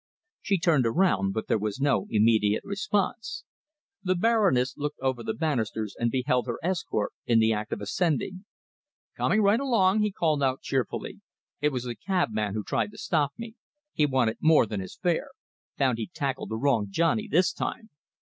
She turned around, but there was no immediate response. The Baroness looked over the banisters and beheld her escort in the act of ascending. "Coming right along," he called out cheerfully. "It was the cabman who tried to stop me. He wanted more than his fare. Found he'd tackled the wrong Johnny this time."